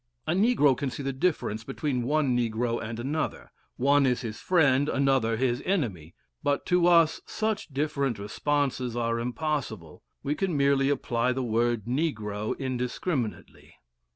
A negro can see the difference between one negro and another one is his friend, another his enemy. But to us such different responses are impossible: we can merely apply the word "negro" indiscriminately.